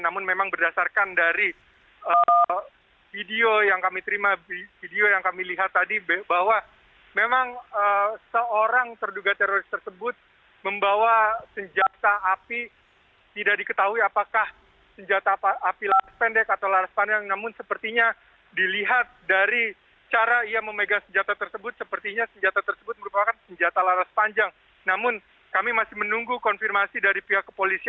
memang berdasarkan video yang kami terima oleh pihak wartawan tadi sebelum kami tiba di tempat kejadian ini memang ada seorang terduga teroris yang berhasil masuk ke dalam kompleks